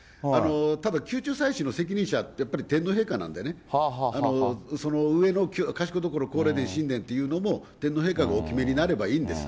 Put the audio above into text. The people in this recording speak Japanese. ただ、宮中祭祀の責任者って、やっぱり天皇陛下なんでね、その上の賢所皇霊殿神殿というのも天皇陛下がお決めになればいいんです。